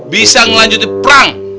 bisa ngelanjutin perang